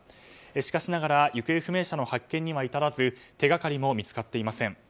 しかしながら行方不明者の発見には至らず手がかりも見つかっていません。